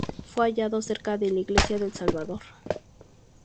Fue hallado cerca de la Iglesia del Salvador.